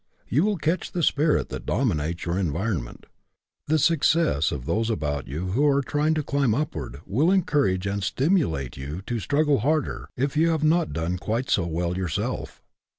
You will catch the spirit that dominates in your environment. The suc cess of those about you who are trying to climb upward will encourage and stimulate you to struggle harder if you have not done quite so well yourself.